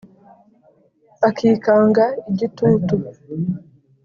Akikanga igitutu